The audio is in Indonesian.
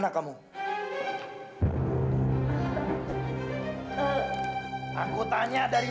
aku mau pergi